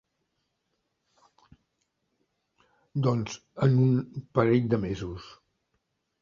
Doncs en un parell de mesos.